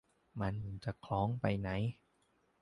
มันจะคล้องไปไหน